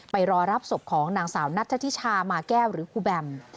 รอรับศพของนางสาวนัทธิชามาแก้วหรือครูแบม